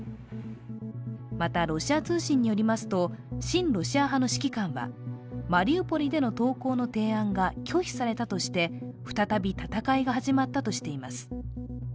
また、ロシア通信によりますと親ロシア派の指揮官はマリウポリでの投降の提案が拒否されたとして再び戦いが始まったとしています。